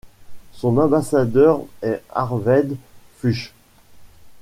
Son ambassadeur est Arved Fuchs.